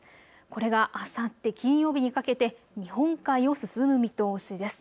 これが、あさって金曜日にかけて日本海を進む見通しです。